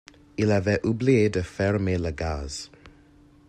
Il avait oublié de fermer le gaz.